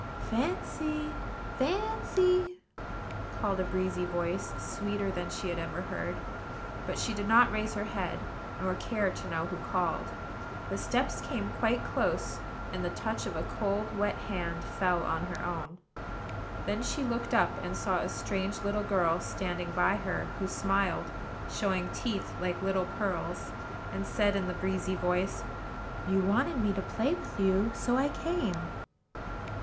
"Fancy! Fancy!" called a breezy voice, sweeter than any she had ever heard. But she did not raise her head, nor care to know who called. The steps came quite close; and the touch of a cold, wet hand fell on her own. Then she looked up, and saw a strange little girl standing by her, who smiled, showing teeth like little pearls, and said, in the breezy voice: "You wanted me to play with you, so I came."